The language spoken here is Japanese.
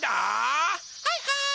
はいはい！